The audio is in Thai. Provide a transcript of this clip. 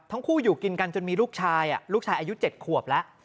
ทั้งคู่อยู่กินกันจนมีลูกชายลูกชายอายุ๗ขวบแล้ว